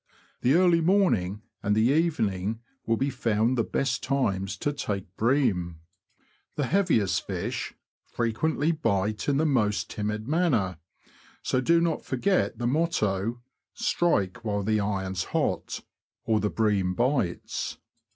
The early morning and the evening will be found the best times to take bream. The heaviest fish frequently bite The Carp. in the most timid manner, so do not forget the motto, " Strike while the iron's hot" — or the bream bites.